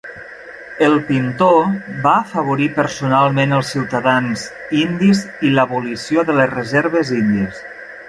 El pintor va afavorir personalment els ciutadans indis i l"abolició de les reserves índies.